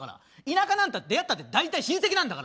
田舎なんか出会ったって大体親戚なんだから。